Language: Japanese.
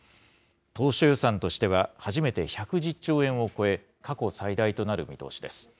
当初予算としては初めて１１０兆円を超え、過去最大となる見通しです。